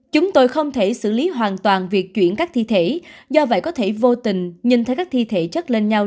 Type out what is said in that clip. chúng tôi không thể xử lý hoàn toàn việc chuyển các thi thể do vậy có thể vô tình nhìn thấy các thi thể chất lên nhau